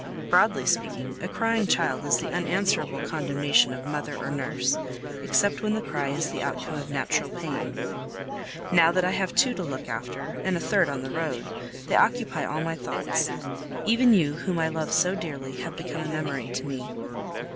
Broadly speaking, a crying child is the unanswerable condemnation of mother or nurse, except when the cry is the outcome of natural pain. Now that I have two to look after (and a third on the road), they occupy all my thoughts. Even you, whom I love so dearly, have become a memory to me.